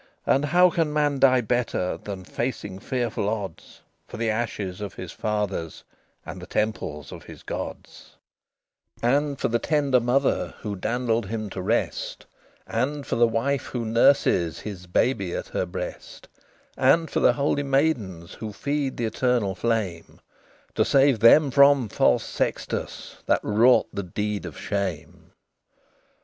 And how can man die better Than facing fearful odds, For the ashes of his fathers, And the temples of his gods, XXVIII "And for the tender mother Who dandled him to rest, And for the wife who nurses His baby at her breast, And for the holy maidens Who feed the eternal flame, To save them from false Sextus That wrought the deed of shame?